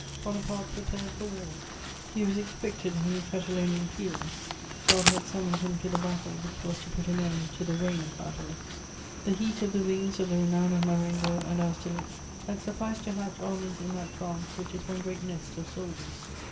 Bonaparte prepared for war; he was expected in new Catalaunian Fields: God had summoned him to the battle which was to put an end to the reign of battles. The heat of the wings of the renown of Marengo and Austerlitz had sufficed to hatch armies in that France which is one great nest of soldiers.